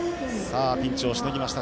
ピンチをしのぎました。